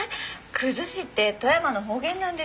「くずし」って富山の方言なんです。